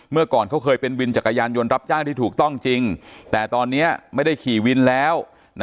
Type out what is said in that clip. ก่อนเขาเคยเป็นวินจักรยานยนต์รับจ้างที่ถูกต้องจริงแต่ตอนนี้ไม่ได้ขี่วินแล้ว